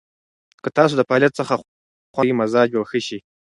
که تاسو د فعالیت څخه خوند واخلئ، مزاج به ښه شي.